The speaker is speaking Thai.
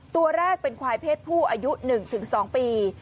ตัวแรกเป็นควายเพศผู้อายุ๑๒ปี